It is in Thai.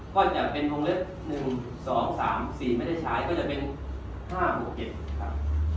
ก็จะเป็นวงเล็กหนึ่งสองสามสี่ไม่ได้ใช้ก็จะเป็นห้าหกเจ็บครับ